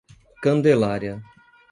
Candelária